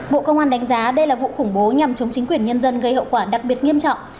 bộ công an đánh giá đây là vụ khủng bố nhằm chống chính quyền nhân dân gây hậu quả đặc biệt nghiêm trọng